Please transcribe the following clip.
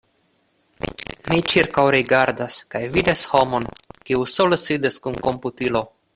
Mi ĉirkaŭrigardas, kaj vidas homon, kiu sole sidas kun komputilo.